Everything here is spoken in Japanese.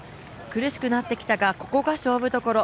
苦しくなってきたが、ここが勝負どころ。